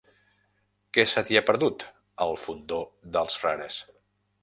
Què se t'hi ha perdut, al Fondó dels Frares?